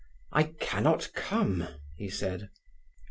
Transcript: "I cannot come," he said.